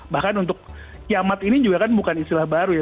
bahkan untuk kiamat ini juga kan bukan istilah baru ya